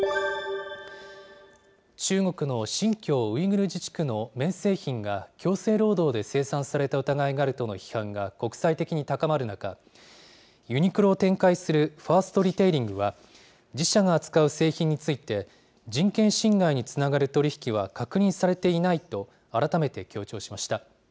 中国の新疆ウイグル自治区の綿製品が強制労働で生産された疑いがあるとの批判が国際的に高まる中、ユニクロを展開するファーストリテイリングは、自社が扱う製品について、人権侵害につながる取り引きは確認されていないと、改めて強調しました。